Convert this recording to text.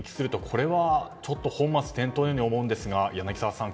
これはちょっと本末転倒のように思うのですが柳澤さん